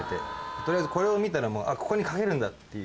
取りあえずこれを見たらもうここに掛けるんだっていう。